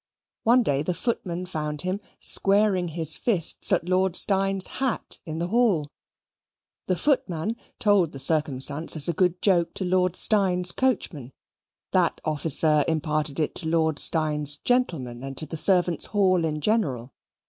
One day the footman found him squaring his fists at Lord Steyne's hat in the hall. The footman told the circumstance as a good joke to Lord Steyne's coachman; that officer imparted it to Lord Steyne's gentleman, and to the servants' hall in general.